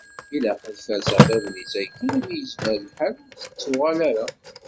Ilaq ad tfarṣeḍ tagnit-ayi imi yezmer lḥal ur d-tettuɣal ara.